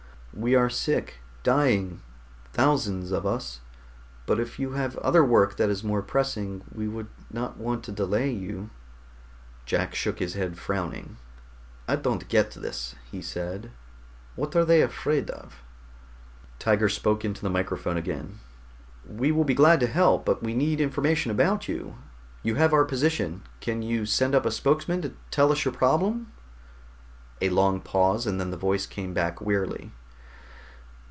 "We are sick, dying, thousands of us. But if you have other work that is more pressing, we would not want to delay you " Jack shook his head, frowning. "I don't get this," he said. "What are they afraid of?" Tiger spoke into the microphone again. "We will be glad to help, but we need information about you. You have our position can you send up a spokesman to tell us your problem?" A long pause, and then the voice came back wearily.